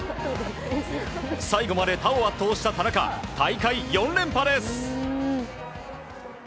最後まで他を圧倒した田中大会４連覇です！